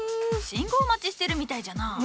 信号待ちしてるみたいじゃな。